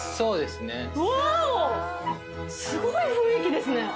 すごい雰囲気ですね。